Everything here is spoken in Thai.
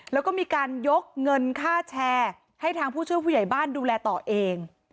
แล้วก็มีการยกเงินค่าแชร์ให้ทางผู้ช่วยผู้ใหญ่บ้านดูแลต่อเอง